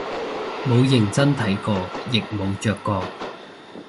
冇認真睇過亦冇着過